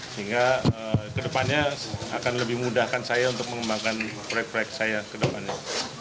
sehingga kedepannya akan lebih mudahkan saya untuk mengembangkan proyek proyek saya ke depannya